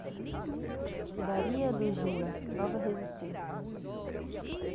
Daria Dugina, Nova Resistência